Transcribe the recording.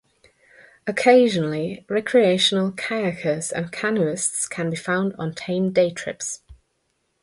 Occasionally, recreational kayakers and canoeists can be found on tame day trips.